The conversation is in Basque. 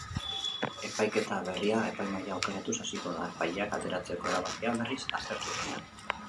Epaiketa berria epaimahaia aukeratuz hasiko da, epaileak atzeratzeko erabakia berriz aztertu ostean.